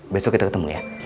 besok kita ketemu ya